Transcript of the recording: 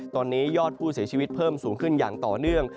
ตอนนี้ยอดผู้เสียชีวิตเพิ่มสูงขึ้นอย่างต่อเนื่อง